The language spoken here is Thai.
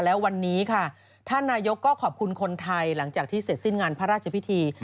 แล้ววันนี้ค่ะท่านนายกก็ขอบคุณคนไทยหลังจากที่เสร็จสิ้นงานพระราชพิธี